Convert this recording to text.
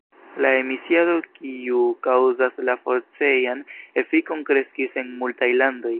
La emisiado kiu kaŭzas la forcejan efikon kreskis en multaj landoj.